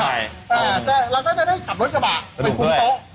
เราก็จะได้ขับรถกระบะเป็นคุณโต๊ะ